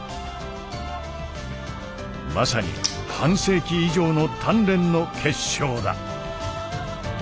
まさに半世紀以上の鍛錬の結晶だ。